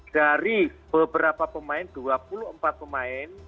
dari beberapa pemain dua puluh empat pemain